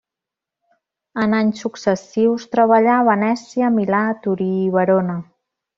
En anys successius treballà a Venècia, Milà, Torí i Verona.